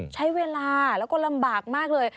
ใช้เวลาแล้วก็ลำบากมากเลย